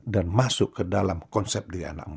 dan masuk ke dalam konsep diri anakmu